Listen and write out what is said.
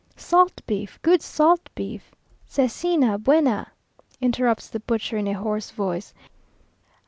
"Salt beef! good salt beef!" ("Cecina buena!") interrupts the butcher in a hoarse voice.